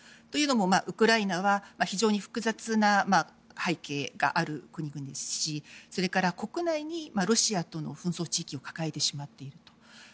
というのも、ウクライナは非常に複雑な背景がある国ですしそれから国内にロシアとの紛争地域を抱えてしまっている。